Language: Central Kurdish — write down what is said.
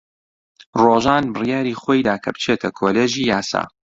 ڕۆژان بڕیاری خۆی دا کە بچێتە کۆلێژی یاسا.